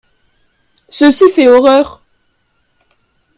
Ceci fait horreur.